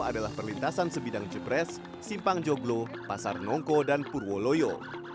adalah perlintasan sebidang jepres simpang joglo pasar nongko dan purwoloyo